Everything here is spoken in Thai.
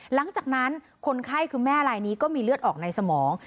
หลังจากนั้นคนไข้คือแม่ลายนี้ก็มีเลือดออกในสมอง